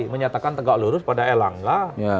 menyatakan tegak lurus pada elangga